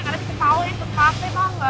gak ada si kepala yang kempas emang ga